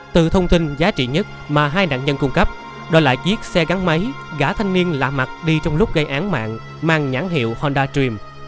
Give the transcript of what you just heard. từ thông tin giá trị nhất mà hai nạn nhân cung cấp đó là chiếc xe gắn máy gã thanh niên lạ mặt đi trong lúc gây án mạng mang nhãn hiệu hondatream